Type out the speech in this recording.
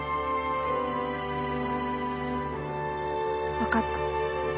分かった。